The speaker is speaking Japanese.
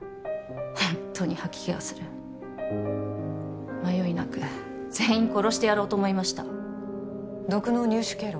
ホントに吐き気がする迷いなく全員殺してやろうと思いました毒の入手経路は？